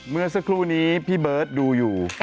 เมื่อสักครู่นี้พี่เบิร์ตดูอยู่